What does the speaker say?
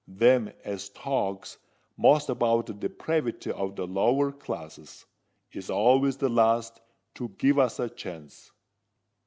them as talks most about the depravity of the lower classes, is always the last to give us a chance."